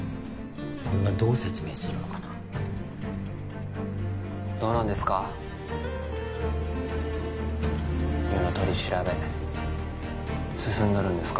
これはどう説明するのかなどうなんですか優の取り調べ進んどるんですか？